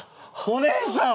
お姉さん！